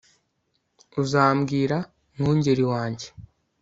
uzambwira, mwungeri, wanjye